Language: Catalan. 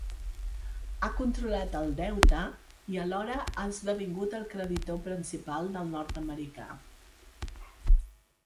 Ha controlat el deute i alhora ha esdevingut el creditor principal del nord-americà.